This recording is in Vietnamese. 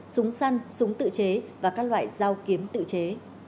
súng săn súng tự chế và các loại dao kiếm tự chế